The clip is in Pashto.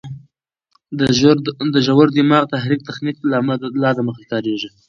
د ژور دماغي تحريک تخنیک لا دمخه کارېږي.